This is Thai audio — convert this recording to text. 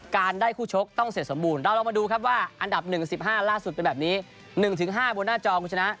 ได้คู่ชกต้องเสร็จสมบูรณ์เราลองมาดูครับว่าอันดับ๑๑๕ล่าสุดเป็นแบบนี้๑๕บนหน้าจอคุณชนะ